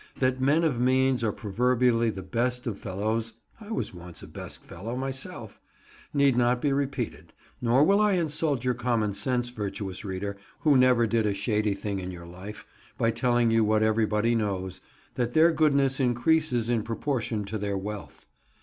That men of means are proverbially the best of fellows (I was once a "best fellow" myself) need not be repeated, nor will I insult your common sense, virtuous reader, who never did a shady thing in your life, by telling you what everybody knows—that their goodness increases in proportion to their wealth.